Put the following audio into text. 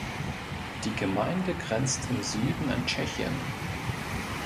Die Gemeinde grenzt im Süden an Tschechien.